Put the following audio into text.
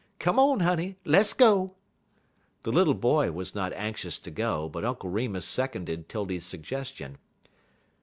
Come on, honey; less go." The little boy was not anxious to go, but Uncle Remus seconded 'Tildy's suggestion.